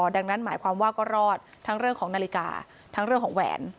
ดังนั้นหมายความว่าก็รอดทั้งเรื่องของนาฬิกาทั้งเรื่องของแหวน